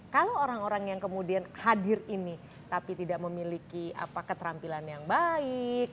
kalau orang orang yang kemudian hadir ini tapi tidak memiliki keterampilan yang baik